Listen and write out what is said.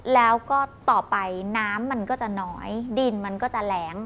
แล้วก็ต่อไปน้ำมันก็จะน้อยดินมันก็จะแหลง